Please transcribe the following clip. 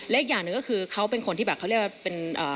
อีกอย่างหนึ่งก็คือเขาเป็นคนที่แบบเขาเรียกว่าเป็น